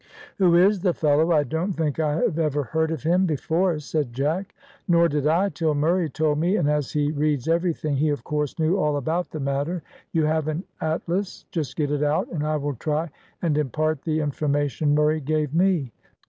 "Who is the fellow? I don't think I have ever heard of him before," said Jack. "Nor did I till Murray told me, and, as he reads everything, he, of course, knew all about the matter. You have an atlas, just get it out, and I will try and impart the information Murray gave me.